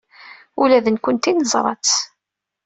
Ula d nekkenti neẓra-tt.